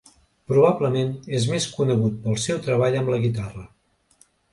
Probablement és més conegut pel seu treball amb la guitarra.